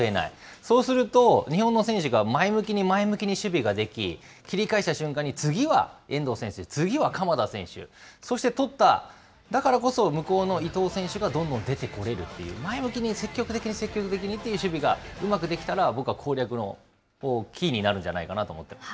そうすると、日本の選手が前向きに前向きに守備ができ、切り返した瞬間に次は遠藤選手、次は鎌田選手、そしてとった、だからこそ、向こうの伊東選手がどんどん出てこれるという、前向きに積極的に積極的にという守備がうまくできたら、僕は攻略のキーになるんじゃないかなと思ってるんです。